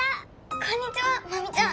こんにちはマミちゃん！